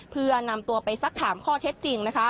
เพื่อนำตัวไปสักถามข้อเท็จจริง